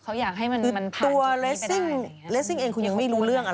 เขาอยากให้มันผ่านตัวเลสสิ่งที่ธรรมดาคุณยังไม่รู้เรื่อง